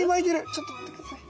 ちょっと待って下さい。